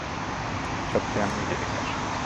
তারচেয়ে, আমি নিজেই দেখে আসি।